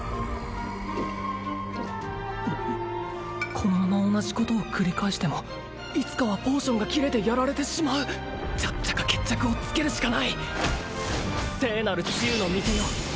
このまま同じことを繰り返してもいつかはポーションが切れてやられてしまうちゃっちゃか決着をつけるしかない聖なる治癒の御手よ